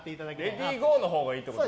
レディーゴーのほうがいいと。